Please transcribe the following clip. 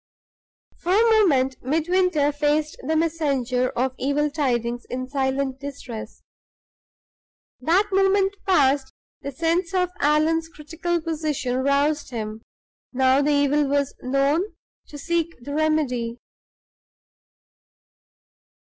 For a moment, Midwinter faced the messenger of evil tidings in silent distress. That moment past, the sense of Allan's critical position roused him, now the evil was known, to seek the remedy.